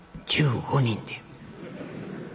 「１５人で」。